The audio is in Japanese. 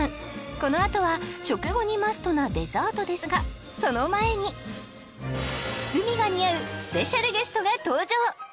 このあとは食後にマストなデザートですがその前に海が似合うスペシャルゲストが登場！